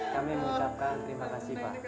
kami mengucapkan terima kasih pak